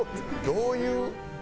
どういう？